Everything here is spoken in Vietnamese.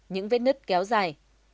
những vết nứt kéo dài